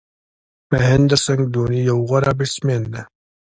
مهندر سنگھ دهوني یو غوره بېټسمېن دئ.